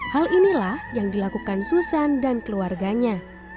hal inilah yang dilakukan susan dan keluarganya